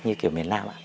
như kiểu miền nam ạ